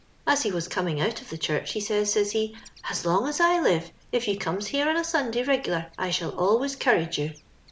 As he was coming out of the church he says, says he, * As long as I live, if you comes here on a Sunday reg'lar I shall always 'courage you.